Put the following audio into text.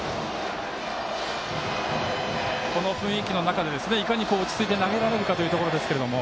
この雰囲気の中でいかに落ち着いて投げられるかというところですが。